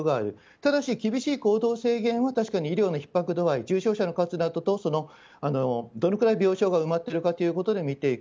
ただし厳しい行動制限は医療のひっ迫度合い重症者の数などとどのくらい病床が埋まっているかで見ていく。